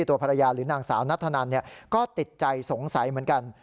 ตัวภรรยาหรือนางสาวนัทธนันก็ติดใจสงสัยเหมือนกัน